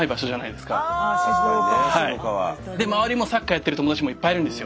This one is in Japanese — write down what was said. で周りもサッカーやってる友達もいっぱいいるんですよ。